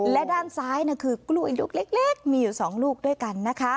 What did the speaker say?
และด้านซ้ายน่ะคือกลูกอีกลูกเล็กมีอยู่สองลูกด้วยกันนะคะ